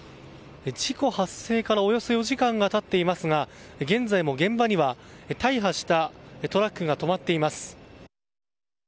事故発生からおよそ４時間が経っていますが現在も現場には大破したトラックが止まっています。